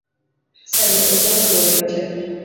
Sande ok oromo welo tee